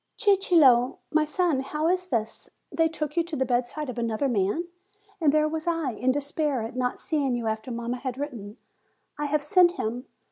"Cicillo, my son, how is this? They took you to the bedside of another man. And there was I, in despair at not seeing you after mamma had written, 'I have sent him.'